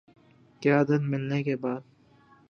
قیادت ملنے کے بعد